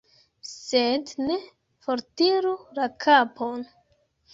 Sed ne fortiru la kapon.